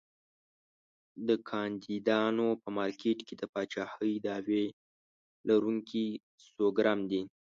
د کاندیدانو په مارکېټ کې د پاچاهۍ دعوی لرونکي سرګرم دي.